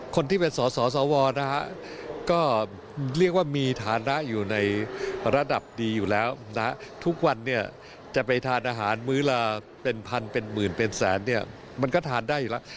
คนที่เป็นสสวนะฮะก็เรียกว่ามีฐานะอยู่ในระดับดีอยู่แล้วนะทุกวันเนี่ยจะไปทานอาหารมื้อละเป็นพันเป็นหมื่นเป็นแสนเนี่ยมันก็ทานได้อยู่แล้ว